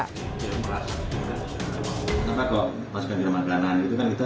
kenapa kok pasukan di rumah kanan itu kan kita